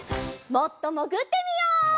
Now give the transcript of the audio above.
もっともぐってみよう！